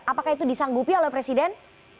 apakah itu disanggupi oleh presiden